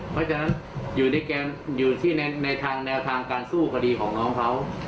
เพราะฉะนั้นอยู่ที่ในทางแนวทางการสู้คดีของน้องเขา